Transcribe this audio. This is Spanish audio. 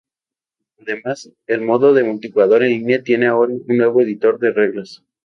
Además, el modo de multijugador en línea tiene ahora un nuevo editor de reglas.